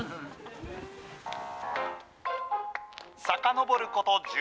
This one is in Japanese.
さかのぼること